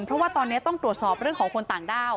เพราะว่าตอนนี้ต้องตรวจสอบเรื่องของคนต่างด้าว